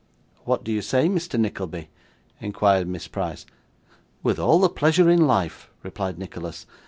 'What do you say, Mr. Nickleby?' inquired Miss Price. 'With all the pleasure in life,' replied Nicholas.